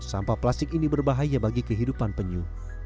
sampah plastik ini berbahaya bagi kehidupan penyu